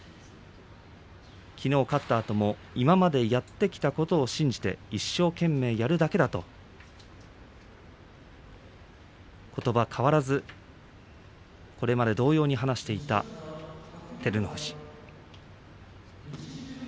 きのう勝ったあとも今までやってきたことを信じて一生懸命やるだけだとことば変わらずこれまで同様に話していた照ノ富士。